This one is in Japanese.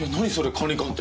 管理官って。